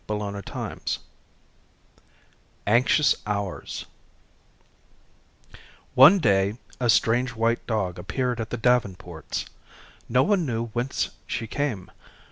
CHAPTER XIII Anxious Hours One day, a strange white dog appeared at the Davenports'. No one knew whence she came.